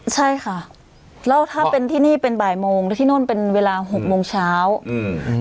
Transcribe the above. ใช่ค่ะแล้วถ้าเป็นที่นี่เป็นบ่ายโมงแล้วที่โน่นเป็นเวลาหกโมงเช้าอืม